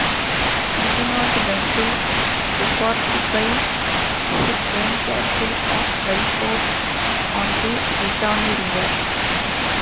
Reginald went to refortify his own castle of Belfort on the Litani River.